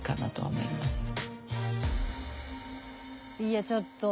いやちょっと。